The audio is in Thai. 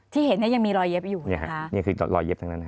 ที่เห็นเนี่ยยังมีรอยเย็บอยู่นี่คือรอยเย็บทั้งนั้นฮ